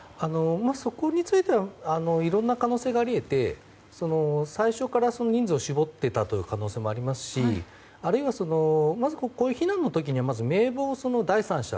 そこについてはいろんな可能性があり得て最初から人数を絞っていたという可能性もありますしあるいはこういう避難の時には、まず名簿を第三者